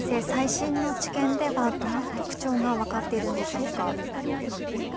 最新の治験ではどんな特徴が分かっているのでしょうか。